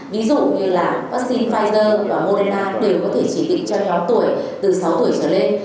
ví dụ như là vaccine pfizer và moderna đều có thể chỉ định cho nhóm tuổi từ sáu tuổi trở lên